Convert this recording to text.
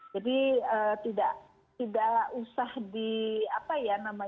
jadi tidak usah di glorifikasi